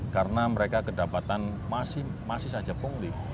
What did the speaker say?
karena mereka kedapatan masih saja pungli